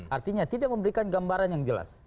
artinya tidak memberikan gambaran yang jelas